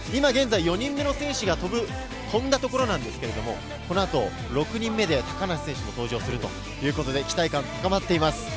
現在４人目の選手が飛んだところなんですけれども、この後、６人目で高梨選手も登場するということで期待感が高まっています。